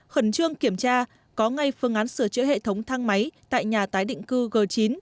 khẩn trương kiểm tra có ngay phương án sửa chữa hệ thống thang máy tại nhà tái định cư g chín